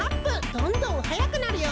どんどんはやくなるよ！